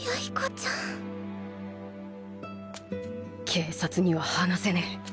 警察には話せねえ